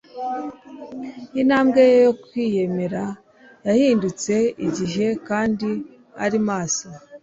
Intambwe ye yo kwiyemera yahindutse igihe kandi ari maso